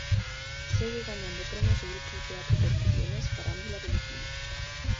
Segue gañando premios o grupo de teatro corcubionés Farándula Velutina.